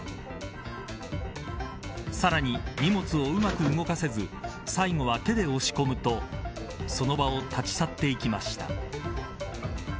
さらに荷物をうまく動かせず最後は手で押し込むとその場を立ち去っていきました。